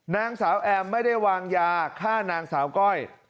นางสาวแอมไม่ได้วางยาฆ่านางสาวก้อย